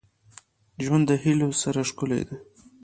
• ژوند د هيلو سره ښکلی دی.